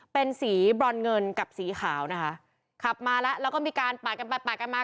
เป็นสีบรอนเงินกับสีขาวนะคะขับมาแล้วแล้วก็มีการปาดกันไปปาดกันมา